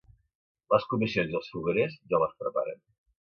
Les comissions i els foguerers ja les preparen.